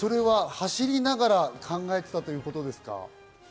走りながら考えていたということですか？